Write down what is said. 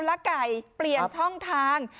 และไก่เปลี่ยนช่องทาง